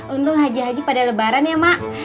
untuk haji haji pada lebaran ya mak